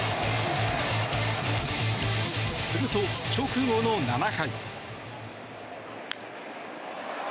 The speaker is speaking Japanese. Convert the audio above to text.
すると直後の７回。